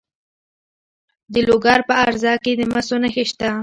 د لوګر په ازره کې د مسو نښې شته.